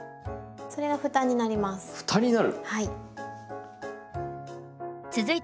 それが蓋になります。